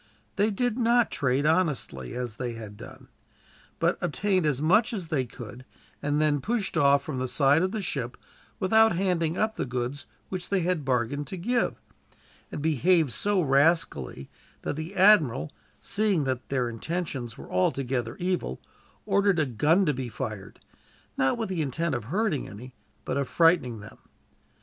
They did not trade honestly, as these had done; but obtained as much as they could, and then pushed off from the side of the ship, without handing up the goods which they had bargained to give; and behaved so rascally that the admiral, seeing that their intentions were altogether evil, ordered a gun to be fired, not with the intent of hurting any, but of frightening them.